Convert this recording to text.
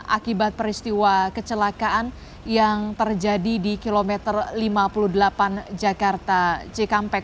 akibat peristiwa kecelakaan yang terjadi di kilometer lima puluh delapan jakarta cikampek